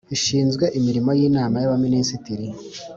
Ishinzwe imirimo y Inama y Abaminisitiri